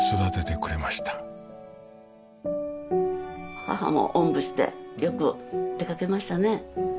母もおんぶしてよく出かけましたね